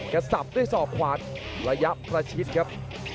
กระส่ำด้วยสอบขวาระยับประชิดครับ